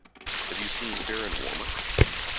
Have you seen "Fair and Warmer"?